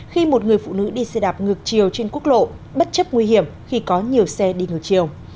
khi một người phụ nữ đi xe đạp ngược chiều trên quốc lộ bất chấp nguy hiểm khi có nhiều xe đi ngược chiều